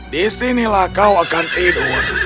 disinilah kau akan hidup